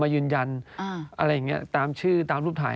ยืนยันอะไรอย่างนี้